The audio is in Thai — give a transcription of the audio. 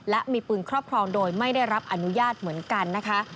และมีปืนครอบครองโดยไม่ได้รับอนุญาตเหมือนกันนะคะ